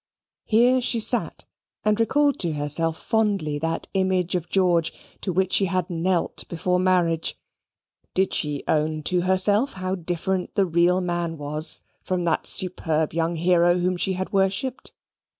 Here she sate, and recalled to herself fondly that image of George to which she had knelt before marriage. Did she own to herself how different the real man was from that superb young hero whom she had worshipped?